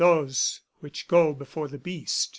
"Those which go before the Beast."